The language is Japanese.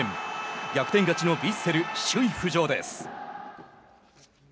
逆転勝ちのヴィッセル首位浮上です。